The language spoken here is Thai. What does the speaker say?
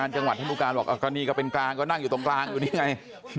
จังหวัดท่านผู้การบอกก็นี่ก็เป็นกลางก็นั่งอยู่ตรงกลางอยู่นี่ไง